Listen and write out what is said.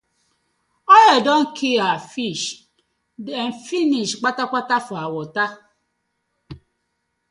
Oil don kii our fish dem finish kpatakpata for our wata.